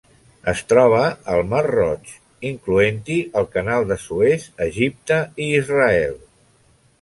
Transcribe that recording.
Es troba al Mar Roig, incloent-hi el Canal de Suez, Egipte i Israel.